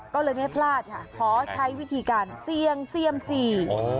ก็เลยไม่พลาดค่ะขอใช้วิธีการเสี่ยงเซียมสี่